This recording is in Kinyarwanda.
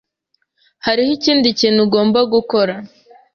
Hariho ikindi kintu ugomba gukora.